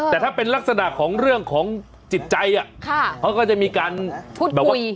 แต่ถ้าเป็นลักษณะของเรื่องของจิตใจอ่ะค่ะเขาก็จะมีการพูดคุย